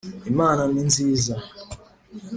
Imana ni nziza